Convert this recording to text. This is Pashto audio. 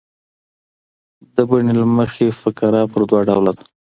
د بڼي له مخه فقره پر دوه ډوله ده.